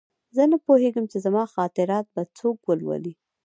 زه نه پوهېږم چې زما خاطرات به څوک ولولي